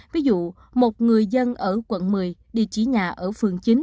ví dụ một người dân ở quận một mươi địa chỉ nhà ở phường chín